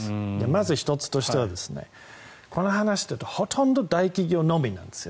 まず１つとしては、この話はほとんど大企業のみなんです。